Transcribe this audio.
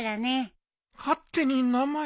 勝手に名前まで。